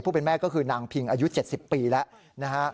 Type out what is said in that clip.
ผู้เป็นแม่ก็คือนางพิงอายุ๗๐ปีแล้ว